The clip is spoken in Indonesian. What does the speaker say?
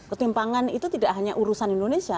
ketimpangan itu tidak hanya urusan indonesia